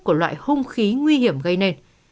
của loại hung khí nguy hiểm gây nên